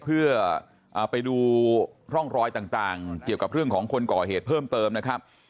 เพื่อไปดูร่องรอยต่างเกี่ยวกับเรื่องของคนก่อเหตุเพิ่มเติมนะครับ